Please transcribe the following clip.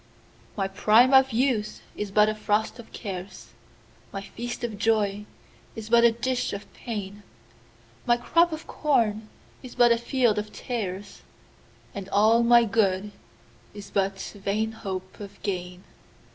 1My prime of youth is but a frost of cares,2My feast of joy is but a dish of pain,3My crop of corn is but a field of tares,4And all my good is but vain hope of gain.